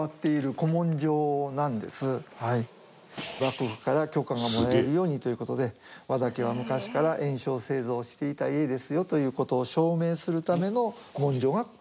幕府から許可がもらえるようにという事で和田家は昔から焔硝製造をしていた家ですよという事を証明するための古文書がこちら。